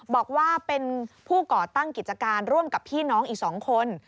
บอกว่าเป็นผู้ก่อตั้งกิจการร่วมกับพี่น้องอีก๒คน